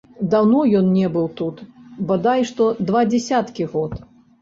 Даўно ён не быў тут, бадай што два дзесяткі год.